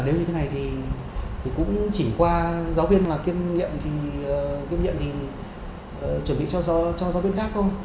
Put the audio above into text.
nếu như thế này thì cũng chỉ qua giáo viên mà kiêm nhiệm thì chuẩn bị cho giáo viên khác thôi